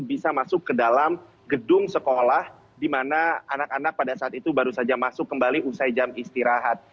bisa masuk ke dalam gedung sekolah di mana anak anak pada saat itu baru saja masuk kembali usai jam istirahat